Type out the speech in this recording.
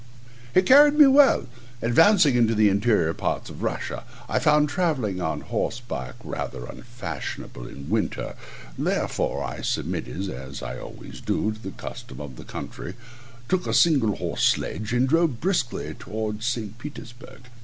] He carried me well advancing into the interior parts of Russia. I found travelling on horseback rather unfashionable in winter, therefore I submitted, as I always do, to the custom of the country, took a single horse sledge, and drove briskly towards St. Petersburg.